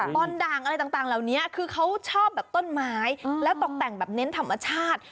บอลด่างอะไรต่างเหล่านี้คือเขาชอบแบบต้นไม้แล้วตกแต่งแบบเน้นธรรมชาติ